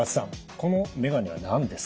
この眼鏡は何ですか？